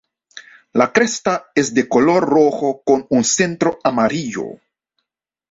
La cresta es de color rojo con un centro amarillo.